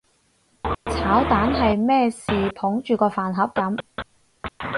炒蛋係咩事捧住個飯盒噉？